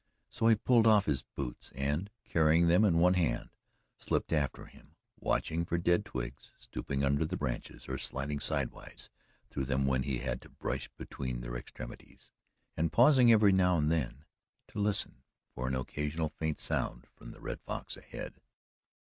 So he pulled off his boots and, carrying them in one hand, slipped after him, watching for dead twigs, stooping under the branches, or sliding sidewise through them when he had to brush between their extremities, and pausing every now and then to listen for an occasional faint sound from the Red Fox ahead.